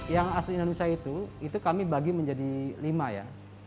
yang asli indonesia itu itu kami bagi menjadi lima ya